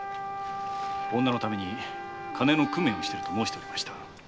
女のために金を工面すると申しておりました。